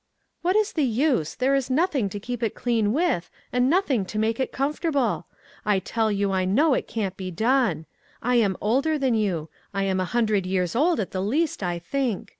" What is the use ? There is nothing to 2OO ONE COMMONPLACE DAY. keep it clean with, and nothing to make it comfortable. I tell you I know it can't be done. I am older than you ; I am a hun dred years old at the least, I think.